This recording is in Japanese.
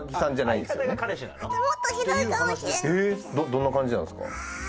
どんな感じなんですか？